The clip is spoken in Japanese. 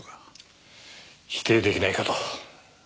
否定出来ないかと。